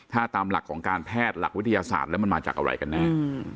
ถ้าตามหลักของการแพทย์หลักวิทยาศาสตร์แล้วมันมาจากอะไรกันแน่